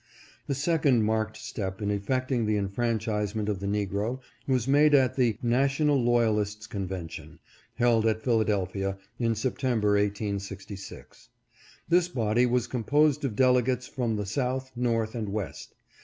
The second marked step in effecting the enfranchise ment of the negro was made at the " National Loyalist's Convention," held at Philadelphia, in September, 1866. This body was composed of delegates from the South, North, and West.